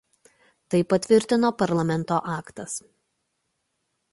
Tai patvirtino Parlamento aktas.